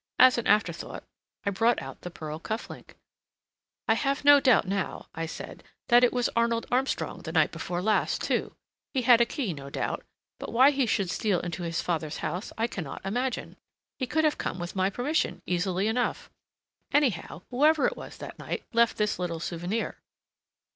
As an afterthought I brought out the pearl cuff link. "I have no doubt now," I said, "that it was Arnold Armstrong the night before last, too. He had a key, no doubt, but why he should steal into his father's house I can not imagine. He could have come with my permission, easily enough. Anyhow, whoever it was that night, left this little souvenir."